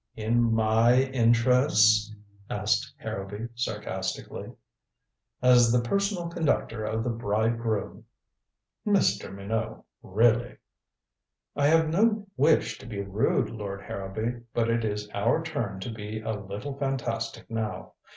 "In my interests?" asked Harrowby sarcastically. "As the personal conductor of the bride groom." "Mr. Minot really " "I have no wish to be rude, Lord Harrowby. But it is our turn to be a little fantastic now.